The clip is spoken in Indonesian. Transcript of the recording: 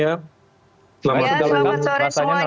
ya selamat sore semuanya